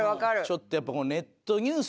ちょっとやっぱ。